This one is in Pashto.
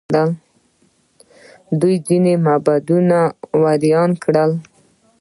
دوی ځینې معبدونه وران کړل